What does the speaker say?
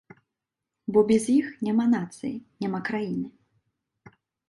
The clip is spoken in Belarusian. Бо без іх няма нацыі, няма краіны.